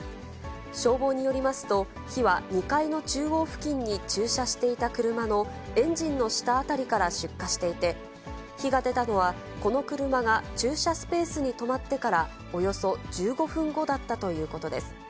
消防によりますと、火は２階の中央付近に駐車していた車のエンジンの下辺りから出火していて、火が出たのは、この車が駐車スペースに止まってからおよそ１５分後だったということです。